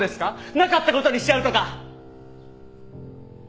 なかったことにしちゃうとか！